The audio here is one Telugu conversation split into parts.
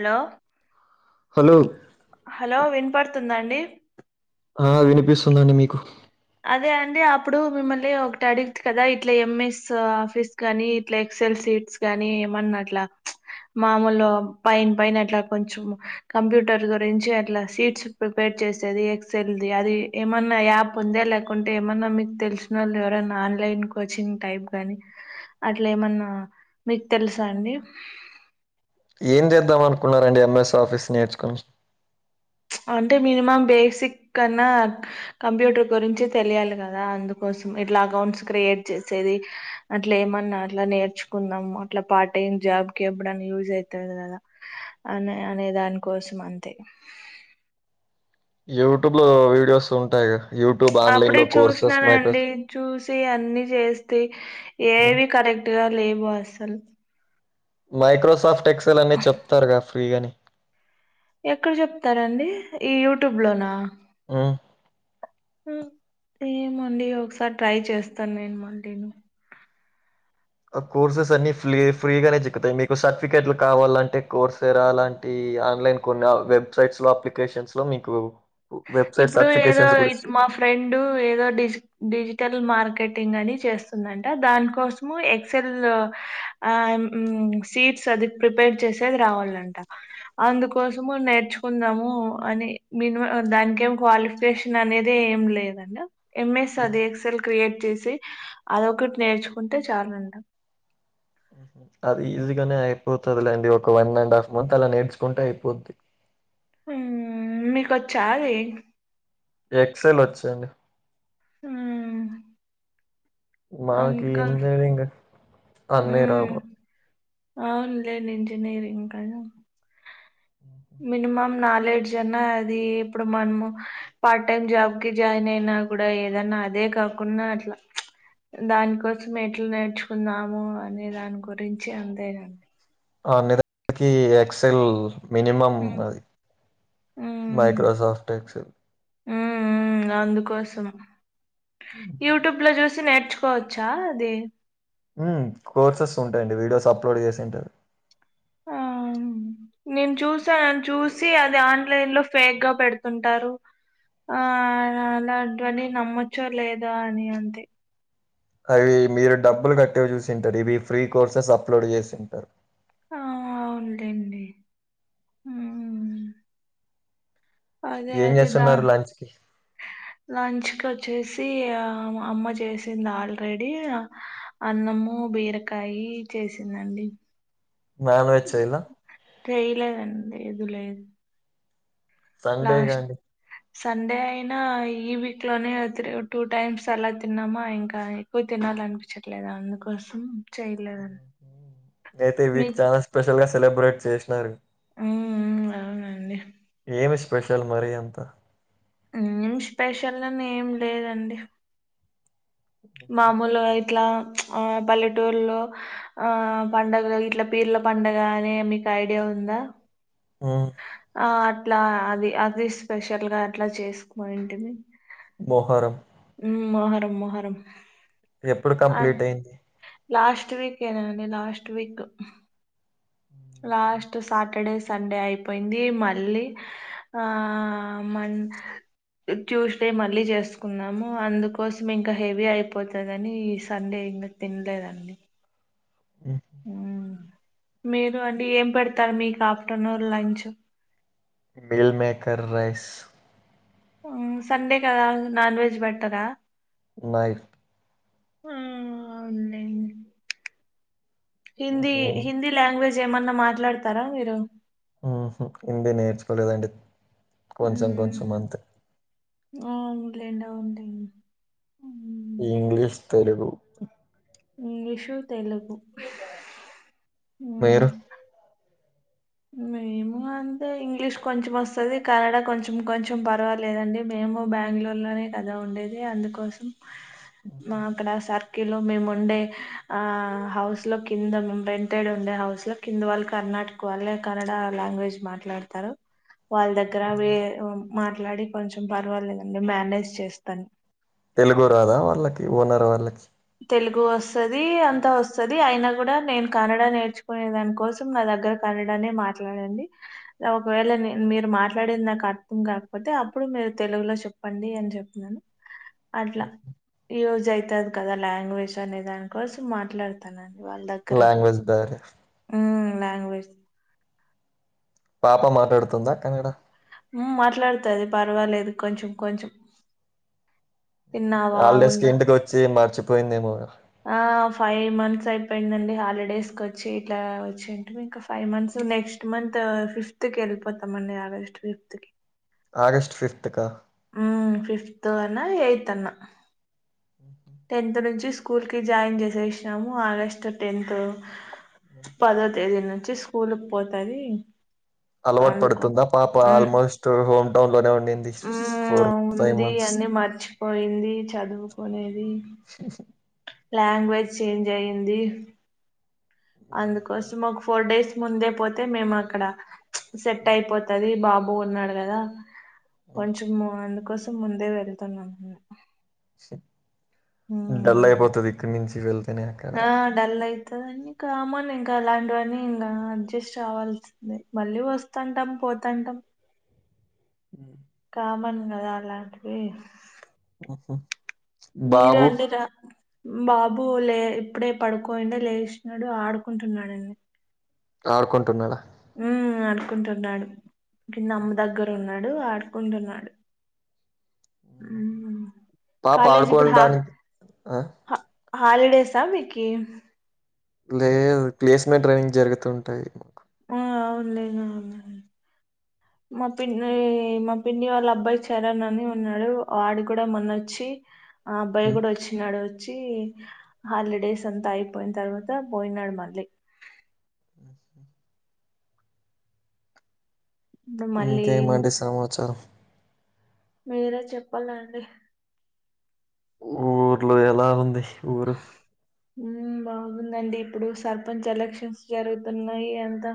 హలో హలో హలో విన్పడుతుందా అండీ ఆ వినిపిస్తుందండి మీకు అదే అండీ అప్పుడూ మిమ్మల్నీ ఒకటడిగితి కదా ఇట్ల ఎంఎస్ ఆఫీస్ కనీ ఇట్ల ఎక్సెల్ సీట్స్ కానీ ఏమన్న అట్లా మామూలు పైన్ పైనట్లా కొంచెం కంప్యూటర్ గురించి అట్లా సీట్స్ ప్రిపేర్ చేసేదీ ఎక్సెల్ దీ అదీ ఏమన్నా యాప్ ఉందా లేకుంటే ఏమన్న మీక్ తెలిషినోల్లేవరన్నా ఆన్లైన్ కోచింగ్ టైప్ గాని అట్లేమన్నా మీక్ తెలుసా అండీ యేం జేధ్దామనుకున్నరండి ఎంఎస్ ఆఫీస్ నేర్చుకుని అంటే మినిమం బేసిక్కన్నా కంప్యూటర్ గురించి తెలియాలి గదా అందుకోసం ఇట్లా అకౌంట్స్ క్రియేట్ చేసేదీ అట్లేమన్నా అట్ల నేర్చుకుందాం అట్ల పార్ట్ టైం జాబ్కి ఎప్పుడన్న యూజ్ అయితది గద అనే అనే దాని కోసమంతే యూటుబ్లో వీడియోస్ ఉంటాయిగ అప్పుడే చూసిననండీ చూసీ అన్ని జేస్తే ఏవి కరెక్ట్ టుగా లేవూ అస్సలు మైక్రోసాఫ్ట్ ఎక్సెలని చెప్తారుగా ఫ్రీ గాని ఎక్కడ జెప్తారండీ ఈ యూటూబ్ లోనా ఆ ఏమండీ ఒక్సారి ట్రై చేస్తాన్ నేను మళ్ళీనూ అ కోర్సెస్ అన్ని ఫ్లీ ఫ్రీగానే జిక్కుతయి మీకు సట్ఫికేట్లు కావాల్లంటే కోర్స్ రాయాలం టీ ఆన్లైన్ కొన్ని ఆ వెబ్సైట్స్ లో అప్లికేషన్స్ లో మీకూ వెబ్సైట్ సట్ఫికేషన్స్ గూడిస్త రెండూ ఏదో డిజ్ డిజిటల్ మార్కెటింగని చేస్తుందంటా దాన్కోసమూ ఎక్సెల్ ఆ మ్మ్ సీట్సది ప్రిపేర్ చేసేది రావాల్లంట అందుకోసము నేర్చుకుందామూ అని [unintelligible] దానికి ఏం క్వాలిఫికేషననేది ఏం లేదంట ఎంఎస్ ఉమ్. అది ఎక్సెల్ క్రియేట్ చేసి అదొకట్ నేర్చుకుంటే చాలంట అది ఈజీ గానే అయిపోతదిలేండి ఒక వన్ అండ్ ఆఫ్ మంత్ అలా నేర్చుకుంటే అయిపోద్ది ఊ మీకు వచ్చా అది ఎక్సెల్ వచ్చండి ఊ మాకి ఇంజనీరింగ్ అన్నీ మ్ రావు అవునులేండి ఇంజనీరింగ్ కదా మినిమం నాలెడ్జ్ అన్నా అది ఇప్పుడు మనము పార్ట్ టైమ్ జాబ్ కి జాయిన్ అయినా కూడా ఏదన్నా అదే కాకుండా అట్లా ప్చ్ దాని కోసం ఎట్లు నేర్చుకున్నాము అనే దాని గురించి అందేనండి ఆ నిదనికి ఎక్సెల్ మనిమమ్ ఉమ్ అది మైక్రోసాఫ్ట్ ఎక్సల్ ఉ ఊ అందుకోసం యూట్యూబ్ ఇట్ లో చూసి నేర్చుకోవచ్చా అది ఉ కోర్సెస్ ఉంటాయండి వీడియోస్ అప్లోడ్ చేసింటారు ఆ నేను చూసా చూసి అది ఆన్లైన్ లో ఫేక్ గా పెడుతుంటారు ఆ అలాంటివన్న నమ్మొచ్చో లేదా అని అంతే అవి మీరు డబ్బులు కట్టేవి చూసింటారు ఇవి ఫ్రీ కోర్సెస్ అప్లోడ్ చేసింటారు ఆ అవునులేండి ఊ ఏం దా చేస్తున్నారు లంచ్ కి లంచ్ కచ్చేసి ఆ అమ్మ చేసింది ఆల్రెడీ అన్నము బీరకాయ చేసిందండి మామచ్ చెయలా టైలేదం లేదు లేదు సండే లాస్ట్ కాండి సండే అయినా ఈ వీక్ లోనే తీ టూ టైమ్స్ అలా తిన్నామా ఇంకా పో తినాలినిపించట్లేదు అందుకోసం చేయలేదండి అయితే ఈ మీ వీక్ చాలా స్పెషల్ గా సెలబ్రేట్ చేసినారు ఊ ఉ అవునండి ఏమి స్పెషల్ మరి అంత ఉం స్పెషల్ అని ఏం లేదండి మామూలు ఇట్లా ప్చ్ ఆ పల్లెటూర్లో ఆ పంండగలు ఇట్లా పీర్ల పండగ అనే మీకు ఐడియా ఉందా ఊ ఆ అట్లా అది అది స్పెషల్ గా అట్లా చేసుకోంటిమి మొహరం ఊ మోహరం మోహరం ఎప్పుడు కంప్లీట్ అయింది లాస్ట్ వీక్ ఏనా అండి లాస్ట్ వీక్ ఉ లాస్ట్ సాటర్డే సండే అయిపోయింది మళ్ళీ ఆ మన్ ట్యూస్డే మళ్ళీ చేసుకున్నాము అందుకోసం ఇంకా హెవీ అయిపోతదని ఈ సండే ఇంకా తినలేదండి ఊ ఉహ్ మీరు అండి ఏం పెడతారు మీకు afternoon lunch meal maker rice Sunday కదా నాన్ వెజ్ పెట్టారా నైయిఫ్ అ హిందీ హిందీ లాంగ్వేజ్ ఏమన్నా మాట్లాడతారా మీరు ఉహు హిందీ నేర్చుకోలేదండి కొంచెం కొంచెం అంతే ఆవును లేండి అవుందడి ఇంగ్లీష్ తెలుగు ఇంగ్లీషు తెలుగు మీరు మేము అంతే ఇంగ్లీష్ కొంచం వస్తది కనడ కొంచెం కొంచెం పర్వాలేదండి మేము బెంగళూరులోనే కథ ఉండేది అందుకోసం మాక్కడ సార్ కిలో మేము ఉండే ఆ హౌస్ లో కిందే రెంటెడ్ ఉండే హౌస్ లో కింద వాళ్ళు కర్ణటక వాళ్ళ కన్నడ లాంగ్వేజ్ మాట్లాడతారు వాళ్ళ దగ్గర అవే మాట్లాడి కొంచెం పర్వాలేదండి మేనేజ్ చేస్తాను తెలుగు రాదా వాళ్ళకి ఓనర్ వాళ్ళకి తెలుగు వస్తుది అంతా వస్తుది అయిన కూడా నేను కన్నడ నేర్చుకునే దానికోసం మా దగ్గర కనడనే మాట్లాడండి ఒకవేళ నేను మీరు మాట్లాడేది నాకు అర్థం కాకపోతే అప్పుడు మీరు తెలుగులో చెప్పండి అని చెప్తున్నాను అట్లా ఈ రోజు అయితది కదా లాంగ్వేజ్ అనే దాని కోసం మాట్లాడుత నని వాళ్ళ లలాంగ్వేజ్ బేర ఉహ్ లాంగ్వేజ్ పాప మాట్లాడుతుందా కనడ మాట్లాడుతుది పర్వాలేదు కొంచెం కొంచెం తిన్నావా ఆలడె స్కి ఉన్నా ఇంటికి వచ్చి మర్చిపోయిందేమో ఆ ఫైవ్ మంత్స్ అయిపోయిందండి హాలిడేస్ క వచ్చి ఇట్లా వచ్చి అంటే మీ five months next month fifth కి వెళ్ళిపోతామండి ఆగస్ట్ ఫిఫ్త్ కి ఆగస్ట్ ఫిఫ్త్ కా ఉహ్ ఫిఫ్త్ అన్న ఎయిత్ అన్న ఉహ టెన్త్ నుంచి స్కూల్కి జాయిన్ చేసేసినాము ఆగస్టు టెన్త్ ఆ పదో తేదీ నుంచి స్కూల్కి పోతది అలవాటు అందుకు పడుతుందా పాప ఉమ్ ఆల్మోస్ట్ హోమ్ టౌన్ లోనే ఉండింది four months five months much పోయింది చదువుకునేది స స లాంగ్వేజ్ చేంజ్ అయంది అందుకోసం మాకు ఫోర్ డేస్ ముందే పోతే మేము అక్కడ సెట్ అయిపోతుది బాబు ఉన్నాడు కదా కొంచెం అందుకోసం ముందే వెళ్తున్నాం డల్ ఉమ్. అయిపోతుది ఇక్కడి నుంచి వెళ్ ఆ డల్ అవుతుదీ కామని ఇంకా అలాంటివన్నీ ఇంకా అడ్జస్ట్ కావల్సి మళ్ళీ వస్తుంటాం పోతుంటాం ఉ కామన్ కదా అలాంటివి ఉహు మీరు అండి రా బాబు లే ఇప్పుడే పడుకోయిండా లేసినాడు ఆడుకుంటున్నాడండి ఆడుకుంటున్నాడా ఉ ఆడుకుంటున్నాడు కింద అమ్మ దగ్గర ఉన్నాడు ఆడుకుంటున్నాడు ఊ పాప కాలేజ్ ఇప్పుడు హాఫ్ ఆడుకోడానికి ఆ! హ హాలిడేస్ ఆ మీకీ లేదు ప్లేస్మ ట ట్రైంనింగ్ జరుగుతుంటాయి మాకు ఆ అవునులేను అవులే మా పిన్ని మా పిన్ని వాళ్ళ అబ్బాయి చరణ్ అని ఉన్నాడు ఆడు కూడా మొన్న వచ్చి ఆబయ్ ఉం, కూడా వచ్చి చినాడు వచ్చి హాలిడేస్ అంతా అయిపోయిన తర్వాత పోయినాడు మళ్ళీ ఉహు ఇప్పుడు మళ్ళీ ఇంకేమండి సమాచారం మీరే చెప్పాలండి ఊర్లో ఎలా ఉంది ఊరు ఊ బాగుందండి ఇప్పుడు సర్పంచ్ ఎలక్షన్స్ జరుగుతున్నాయి అంతా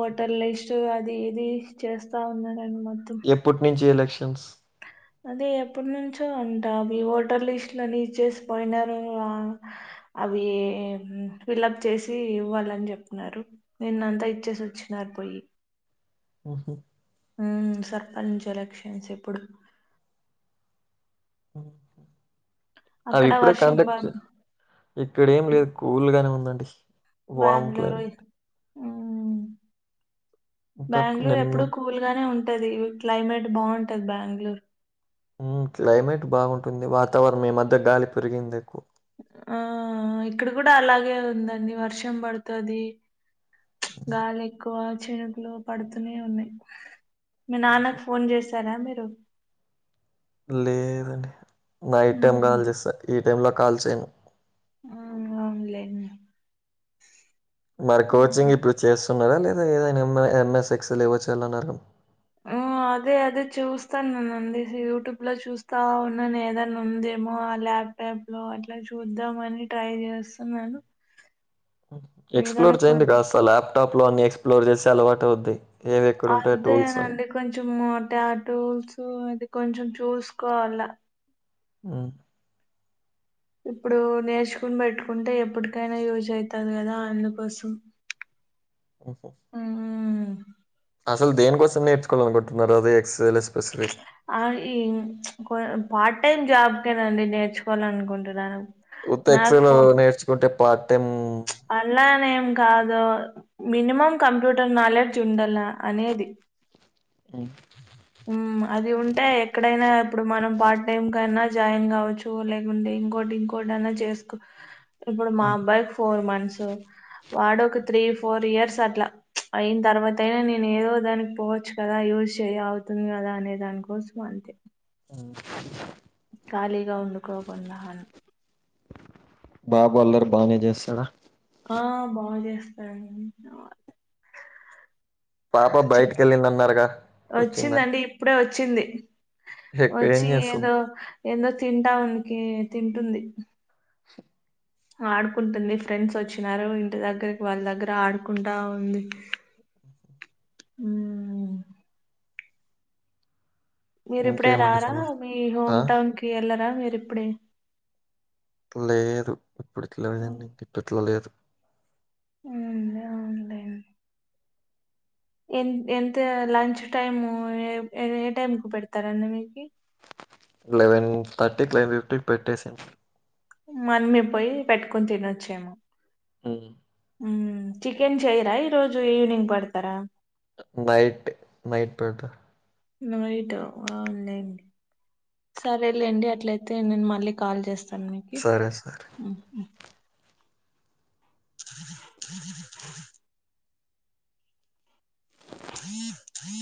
ఓటర్ లిస్ట్ అది ఏది చేస్తా ఉన్నరండి మొత్తం ఎప్పటి నుంచి ఎలక్షన్స్ అదే ఎప్పటి నుంచో అంటా మీ ఓటర్ లిస్ట్ లోని ఇచ్చేసి పోయినారు ఆ అవి ఫిలప్ చేసి ఇవ్వాలని చెప్నరు నిన్నంతా ఇచ్చేసి వచ్చినారు పోయి ఉహు ఉ సర్పంచ్ ఎలక్షన్స్ ఎప్పుడు అవి అక్కడ ఇప్పుడే వర్షం బా కండక్ట్ ఇక్కడ ఏమి లేదు కూళ్లు గానే ఉందండి వామ్ బెంగళూరు ఒయి క్లైమేట్ ఊ తక్ బెంగళూరు నిన్ ఎప్పుడు కూల్ గానే ఉంటది క్లైమేట్ బాగుంటది బెంగళూరు ఊ క్లైమేట్ బాగుంటుంది వాతావరణం మీ మద్ద్య గాలి పెరిగింది ఎక్కువ ఆ ఇక్కడ కూడా అలాగే ఉందండి వర్షం పడుతుంది ప్చ్ గాలి ఎక్కువ చెనుకులు పడుతూనే ఉన్నాయి మీ నాన్నకు ఫోన్ చేసారా మీరు లేదండి నైట్ టైం ఉమ్. కాల్ చేస్తా ఈ టై లో కాల్ చేయను ఆ అవునులేన్ మరి ఉమ్. కోచింగ్ ఇప్పుడు చేస్తున్నారా లేదా ఏదైనా ఎం ఎంఎస్ ఎక్సల్ ఏవో చేయాలన్నార ఆ అదే అదే చూస్తా నేు ఉంది యూట్యూబ్ లో చూస్తా ఉన్నాను ఏదనా ఉందేమో ఆ ల్యాబ్ రాప్ లో అట్లా చూద్దామని ట్రై చేస్తున్నాను ఎక్స్ప్లోర్ ఏదైనా కొ చేయండి కాస్త ల్యాప్టాప్ లో అన్ని ఎక్స్ప్లోర్ చేసి అలవాటవద్ది ఏవి ఎక్కడ ఉంటాయి టూల్స్ కొంచం ట ఆ టూల్స్ ఇది కొంచెం చూసుకోవాల ఉ ఇప్పుడు నేర్చుకుని పెట్టుకుంటే ఎప్పటికైనా యూజ్ అవుతాది కదా అందుకోసం ఓహో మ్మ్ అసలు దేని కోసం నేర్చుకోవాలనుకుంటున్నారు అది ఎక్సల్ స్పెసిఫిక్ ఆ ఈ పార్ట్ ప్చ్ టైం జాబ్ కేనండి నేర్చుకోవాలని అనుకుంటున్నాను ఉత్త ఎక్సెల్ నేర్చుకుంటే పార్ట్ టైం అలా అనే ఏం కాదు మినిమం కంప్యూటర్ నాలెడ్జ్ ఉండాల్లా అనేది హ్మ్ హ్మ్ అది ఉంటే ఎక్కడైనా ఇప్పుడు మనం పార్ట్ టైమ్ కైనా జాయిన్ కావచ్చు లేకుంటే ఇంకోటి ఇంకోటి అన్నా చేసుకో ఇప్పుడు మా హ్మ్. అబ్బాయికి ఫోర్ మంత్స్ వాడు ఒక త్రీ ఫోర్ ఇయర్స్ అట్లా ప్చ్ అయిన తర్వాత అయినా నేను ఏదో దానికి పోవచ్చు కదా యూజ్ చేయా ఉన్నదా లేదా అనే దానికోసం అంతే అ ఖాళీగా ఉండకోకుండా బాబు అల్లరి బాగానే చేస్తాడా ఆ బాగా చేస్తారండి పాప బయటికి వెళ్ళింది అన్నారుగా వచ్చిందా వచ్చిందండి ఇప్పుడే వచ్చింది ఎక్కువ ఏం వచ్చి చేస్తుంది? ఏదో ఎదో తింటా ఊరికే తింటుంది [unintelligible] ఆడుకుంటుంది ఫ్రెండ్స్ వచ్చినారు ఇంటి దగ్గరకి వాళ్ళ దగ్గర ఆడుకుంటా ఉంది ఉమ్ మీరిప్పుడే ఇంకేమండి రారా సమస్య? మీ ఆ! హోమ్ టౌన్ కి వెళ్లరా మీరిప్పుడే లేదు ఇప్పటి కి ఇట్లనే ఉంది ఇప్పట్లో లేదు హ్మ్ ఔను లే ఎ ఎంత లంచ్ టైం ఏ టైంకి పెడతారండి మీకు లెవెన్ థర్టీకి లెవెన్ ఫిఫ్టీకి పెట్టేసేయ్ మనమేపోయి పెట్టుకొని తినచ్చేమో మ్ హ్మ్ చికెన్ చేయరా ఈ రోజు ఈవినింగ్ పెడతారా నైట్ నైట్ పెడతారు నైట్ ఆ ఆన్ అయ్యింది సరేలేండి అట్లయితే నేను మళ్ళీ కాల్ చేస్తాను మీకి సరే సరే ఉమ్ అదిది త్రీ త్రీ